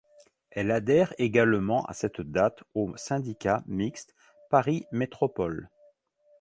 Elle adhère également à cette date au syndicat mixte Paris Métropole.